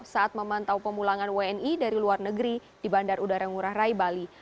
saat memantau pemulangan wni dari luar negeri di bandar udara ngurah rai bali